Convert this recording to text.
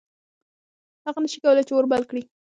هغه نه شي کولی چې اور بل کړي.